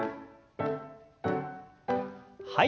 はい。